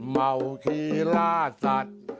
เมาขี่ล่าสัตว์